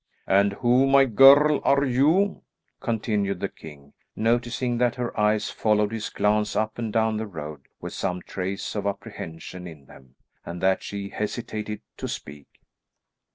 "And who, my girl, are you?" continued the king, noticing that her eyes followed his glance up and down the road with some trace of apprehension in them, and that she hesitated to speak.